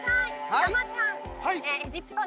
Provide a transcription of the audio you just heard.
山ちゃん